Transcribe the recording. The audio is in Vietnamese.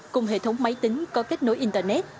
cùng hệ thống máy tính có kết nối internet